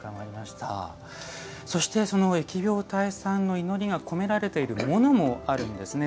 そして、その疫病退散の祈りが込められているものもあるんですね。